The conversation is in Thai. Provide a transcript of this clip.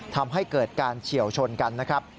ทำให้เกิดการเฉียวชนกันนะครับ